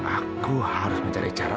aku harus mencari cara